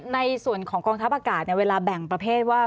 ในส่วนของกองทัพอากาศเวลาแบ่งประเภทว่า